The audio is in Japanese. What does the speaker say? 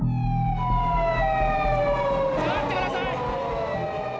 下がってください！